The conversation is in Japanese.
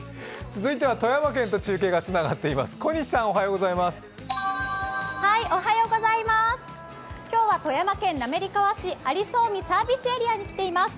続いては富山県と中継がつながっています。